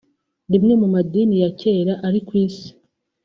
rimwe mu madini ya kera ari kw’isi